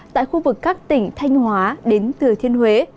tại khu vực các tỉnh thanh hóa đến thừa thiên huế